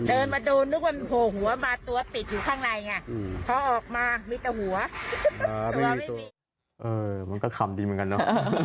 เออมันก็คำดีเหมือนกันเนอะ